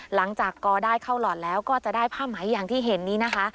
หลังจากกอได้เข้าหลอดแล้วก็จะได้ผ้าไหมอย่างที่เห็นนี้นะคะ